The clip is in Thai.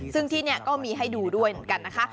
ซึ่งที่นี่ก็มีให้ดูด้วยเหมือนกันนะคะ